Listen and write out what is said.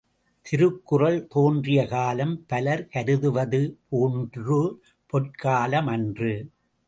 திருக்குறள் தோன்றிய காலம், பலர் கருதுவது போன்று பொற்காலமன்று.